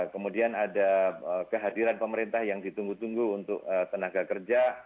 kemudian ada kehadiran pemerintah yang ditunggu tunggu untuk tenaga kerja